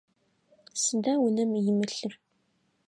Сыда унэм имылъыр?